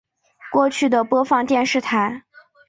过去的播放电视台